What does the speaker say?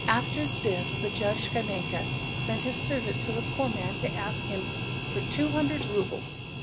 After this the judge, Schemyaka, sent his servant to the poor man to ask him for two hundred roubles.